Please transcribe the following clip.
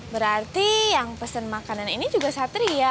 berarti yang pesen makanan ini juga satria